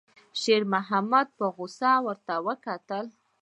شېرمحمد په غوسه ورته وکتل.